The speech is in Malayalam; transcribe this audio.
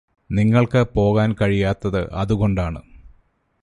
നിങ്ങൾക്ക് പോകാൻ കഴിയാതത് അതുകൊണ്ടാണ്